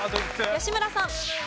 吉村さん。